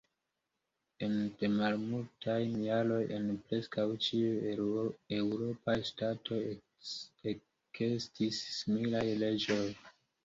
Ene de malmultaj jaroj en preskaŭ ĉiuj eŭropaj ŝtatoj ekestis similaj leĝoj.